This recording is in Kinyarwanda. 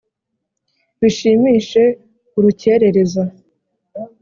bashimishe urukerereza